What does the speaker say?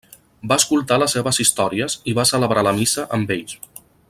Va escoltar les seves històries i va celebrar la missa amb ells.